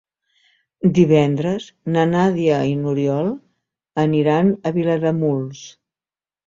Divendres na Nàdia i n'Oriol aniran a Vilademuls.